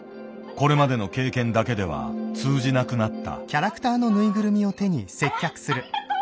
これまでの経験だけでは通じなくなった。